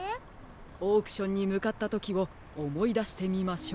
オークションにむかったときをおもいだしてみましょう。